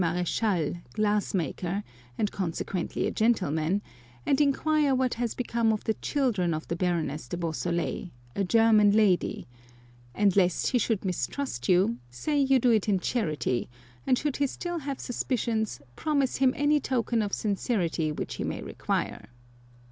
Mar^chal, glassmaker, and consequently a gentleman, and inquire what has become of the children of the Baroness de Beausoleil, a German lady ; and lest he should mistrust you, say you do it in charity ; and should he still have suspicions, promise him any token of sincerity which he may require.